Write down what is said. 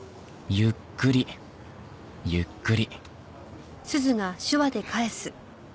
ゆっくりゆっくり。